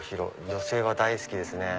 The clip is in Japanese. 女性は大好きですね。